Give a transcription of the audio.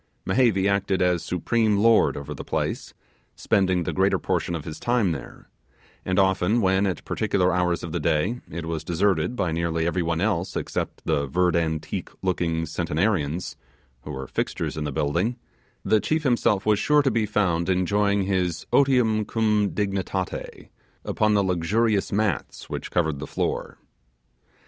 Mehevi acted as supreme lord over the place, spending the greater portion of his time there: and often when, at particular hours of the day, it was deserted by nearly every one else except the verd antique looking centenarians, who were fixtures in the building, the chief himself was sure to be found enjoying his 'otium cum dignitate' upon the luxurious mats which covered the floor.